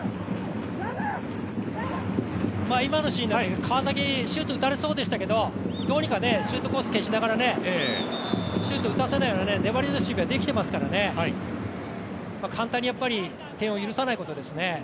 今のシーンでも川崎、シュート打たれそうでしたけどどうにかシュートコース消しながらシュート打たせないような粘り強い守備ができていますから簡単に点を許さないことですね。